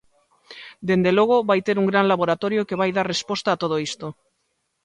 Dende logo, vai ter un gran laboratorio que vai dar resposta a todo isto.